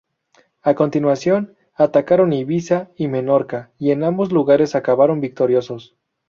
A continuación, atacaron Ibiza y Menorca y, en ambos lugares acabaron victoriosos.